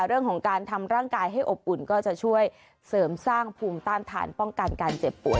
เรื่องของการทำร่างกายให้อบอุ่นก็จะช่วยเสริมสร้างภูมิต้านทานป้องกันการเจ็บป่วย